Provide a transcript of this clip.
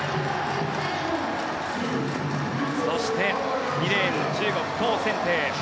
そして２レーン中国、トウ・センテイ。